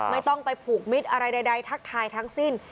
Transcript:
ไม่ต้องไปผูกมิตรอะไรใดทักทายทั้งสิ้น